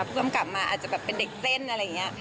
ผู้กำกับมาอาจจะเป็นเด็กเซ่นอะไรอย่างนี้